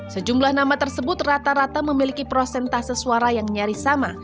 sejumlah nama tersebut rata rata memiliki prosentase suara yang nyaris sama